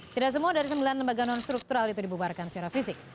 tidak semua dari sembilan lembaga non struktural itu dibubarkan secara fisik